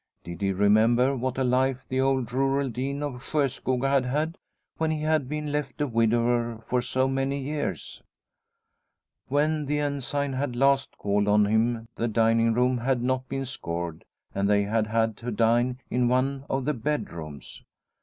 Did he remember what a life the old rural dean of Sjoskoga had had when he had been left a widower for so many years ? When the En sign had last called on him the dining room had not been scoured and they had had to dine in one of the bedrooms.